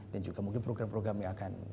dan juga mungkin program program yang akan